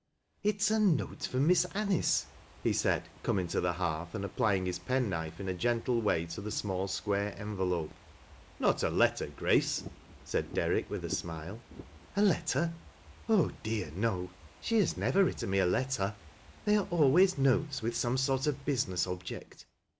" It is a note from Miss Anice," he said, joming to the hearth and applying his pen knife in a gei tie way to the small square envelope. " Not a letter, Grace ?" said Derrick witL a smile. " A letter ! Oh dear, no 1 She has nevei written me a letter. They ai'e always notes with some sjrt of business object.